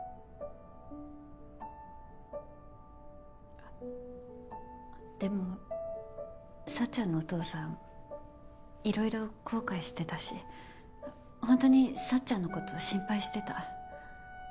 あでも幸ちゃんのお父さんいろいろ後悔してたしほんとに幸ちゃんのこと心配してた。